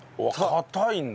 硬いんだ。